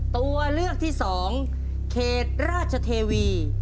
ตัวเลือกที่๒เขตราชเทวี